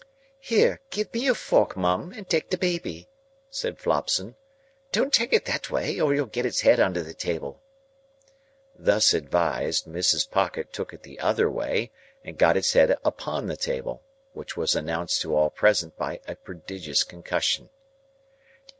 "Here! Give me your fork, Mum, and take the baby," said Flopson. "Don't take it that way, or you'll get its head under the table." Thus advised, Mrs. Pocket took it the other way, and got its head upon the table; which was announced to all present by a prodigious concussion.